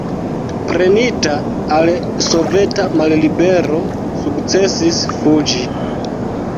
Prenita al soveta mallibero sukcesis fuĝi.